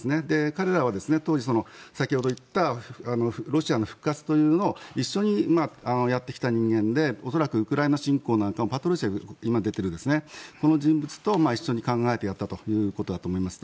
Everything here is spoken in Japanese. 彼らは当時、先ほど言ったロシアの復活というのを一緒にやってきた人間で恐らくウクライナ侵攻なんかもパトルシェフ今、出ているこの人物と一緒に考えてやったということだと思います。